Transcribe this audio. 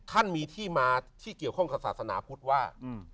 ท่านมีที่มาที่เกี่ยวข้องกับศาสนาพุทธว่า